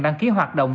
đăng ký hoạt động